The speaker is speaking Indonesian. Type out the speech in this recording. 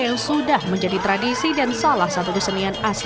yang sudah menjadi tradisi dan salah satu kesenian asli